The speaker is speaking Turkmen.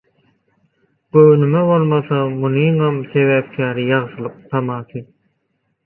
Göwnüme bolmasa, munuňam sebäpkäri ýagşylyk tamasy.